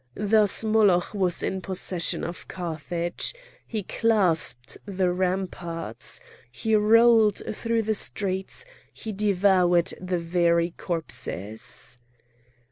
Thus Moloch was in possession of Carthage; he clasped the ramparts, he rolled through the streets, he devoured the very corpses.